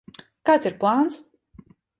Kāds ir plāns?